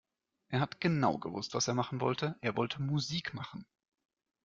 Er hat genau gewusst, was er machen wollte. Er wollte Musik machen.